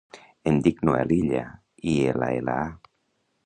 Em dic Noel Illa: i, ela, ela, a.